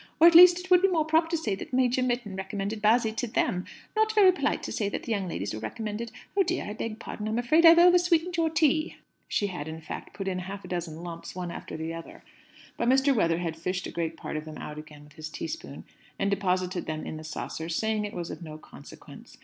Or at least it would be more proper to say that Major Mitton recommended Bassy to them! Not very polite to say that the young ladies were recommended oh dear! I beg pardon. I'm afraid I've over sweetened your tea?" She had, in fact, put in half a dozen lumps, one after the other. But Mr. Weatherhead fished the greater part of them out again with his teaspoon, and deposited them in the saucer, saying it was of no consequence.